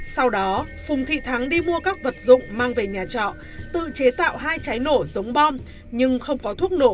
sau đó phùng thị thắng đi mua các vật dụng mang về nhà trọ tự chế tạo hai cháy nổ giống bom nhưng không có thuốc nổ